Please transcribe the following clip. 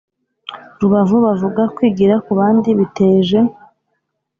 rubavu bavuga kwigira kubandi biteje